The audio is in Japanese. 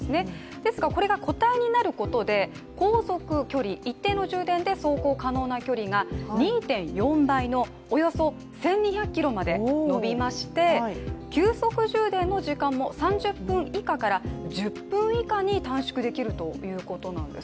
ですがこれが個体になることで航続距離、一定の充電で走行可能な距離が２．４のおよそ１２００ｋｍまでのびまして急速充電の時間も３０分以下から１０分以下に短縮できるということなんです。